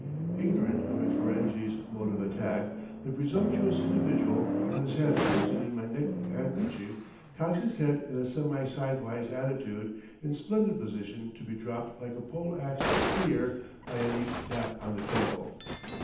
Ignorant of a Ferenghi's mode of attack, the presumptuous individual, with his hand twisted in my neck handkerchief, cocks his head in a semi sidewise attitude, in splendid position to be dropped like a pole axed steer by a neat tap on the temple.